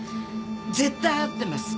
絶対会ってます。